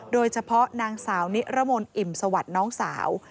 โดยเฉพาะนางสาวนิรมนต์อิ่มสวัสดิ์น้องสาว